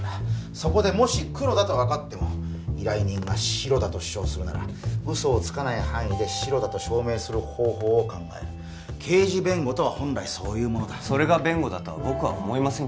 そこでもしクロだと分かっても依頼人がシロだと主張するなら嘘をつかない範囲でシロだと証明する方法を考える刑事弁護とは本来そういうものだそれが弁護だとは僕は思いません